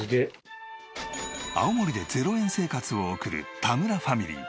青森で０円生活を送る田村ファミリー。